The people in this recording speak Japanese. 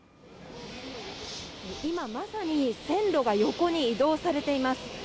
今まさに線路が横に移動されています